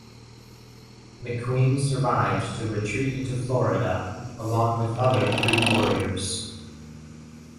McQueen survived to retreat into Florida, along with other Creek warriors.